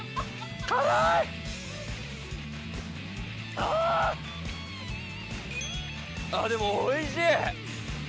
・あぁでもおいしい！